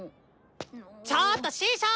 ちょっと師匠！